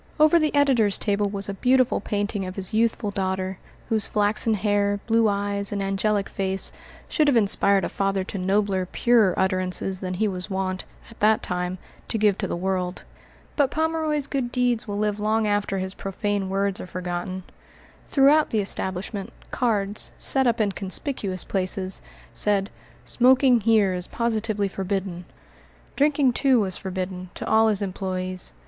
Over the editor's table was a beautiful painting of his youthful daughter, whose flaxen hair, blue eyes, and angelic face should have inspired a father to nobler, purer, utterances than he was wont, at that time, to give to the world. But Pomeroy's good deeds will live long after his profane words are forgotten. Throughout the establishment cards, set up in conspicuous places, said, "Smoking here is positively forbidden." Drinking, too, was forbidden to all his employés.